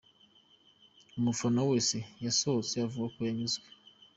Umufana wese yasohotse avuga ko yanyuzwe!.